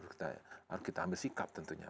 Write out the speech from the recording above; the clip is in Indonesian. kita harus kita ambil sikap tentunya